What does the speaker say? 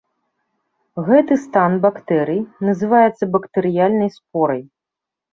Гэты стан бактэрый называецца бактэрыяльнай спорай.